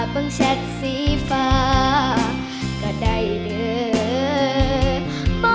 เพิ่งแชทสีฟ้าก็ได้เดิน